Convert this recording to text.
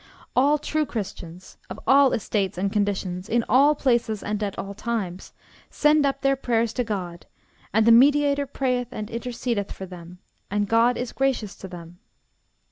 All true Christians, of all estates and conditions, in all places and at all times, send up their prayers to God, and the Mediator prayeth and intercedeth for them, and God is gracious to them.